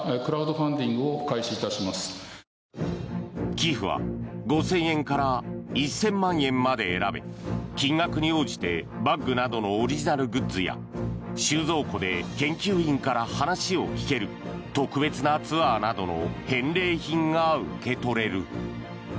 寄付は５０００円から１０００万円まで選べ金額に応じてバッグなどのオリジナルグッズや収蔵庫で研究員から話を聞ける特別なツアーなどの返礼品が受け取れる。